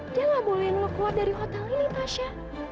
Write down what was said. dia gak bolehin lu keluar dari hotel ini tasha